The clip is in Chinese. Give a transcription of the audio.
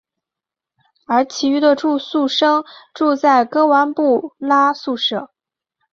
而其余的住宿生住在格湾布拉宿舍。